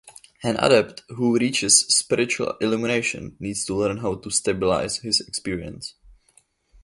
An adept who reaches spiritual illumination needs to learn how to stabilize his experience.